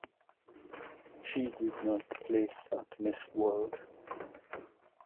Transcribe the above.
She did not place at Miss World.